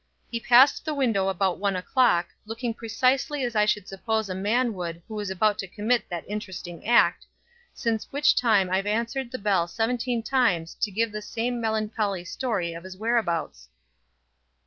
He passed the window about one o'clock, looking precisely as I should suppose a man would who was about to commit that interesting act, since which time I've answered the bell seventeen times to give the same melancholy story of his whereabouts."